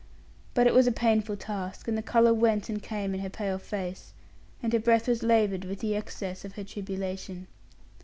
But it was a painful task, and the color went and came in her pale face, and her breath was labored with the excess of her tribulation.